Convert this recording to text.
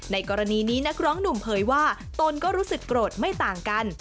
กรณีนี้นักร้องหนุ่มเผยว่าตนก็รู้สึกโกรธไม่ต่างกัน